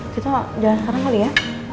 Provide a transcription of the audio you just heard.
kita udah sekarang kali ya